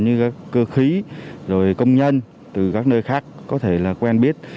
như các cơ khí rồi công nhân từ các nơi khác có thể là quen biết